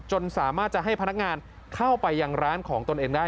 สามารถจะให้พนักงานเข้าไปยังร้านของตนเองได้